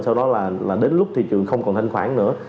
sau đó là đến lúc thị trường không còn thanh khoản nữa